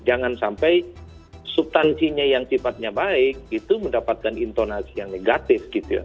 jangan sampai subtansinya yang sifatnya baik itu mendapatkan intonasi yang negatif gitu ya